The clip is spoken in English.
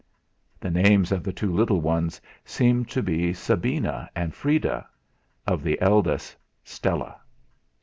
The names of the two little ones seemed to be Sabina and Freda; of the eldest, Stella.